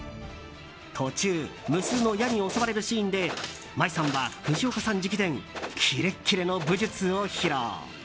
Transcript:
途中、無数の矢に襲われるシーンで舞衣さんは、藤岡さん直伝キレッキレの武術を披露。